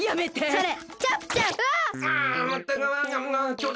それ！